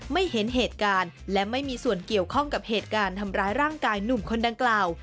เห็นเหตุการณ์และไม่มีส่วนเกี่ยวข้องกับเหตุการณ์ทำร้ายร่างกายหนุ่มคนดังกล่าว